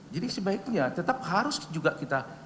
jadi sebaiknya tetap harus juga kita